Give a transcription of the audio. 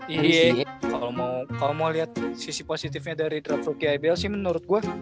iya kalau mau liat sisi positifnya dari draft rookie ibl sih menurut gua